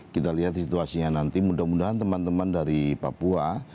kita lihat situasinya nanti mudah mudahan teman teman dari papua